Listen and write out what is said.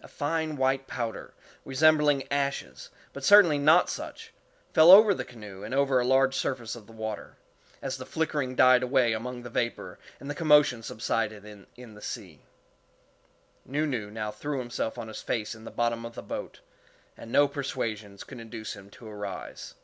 A fine white powder, resembling ashes—but certainly not such—fell over the canoe and over a large surface of the water, as the flickering died away among the vapor and the commotion subsided in the sea. Nu Nu now threw himself on his face in the bottom of the boat, and no persuasions could induce him to arise.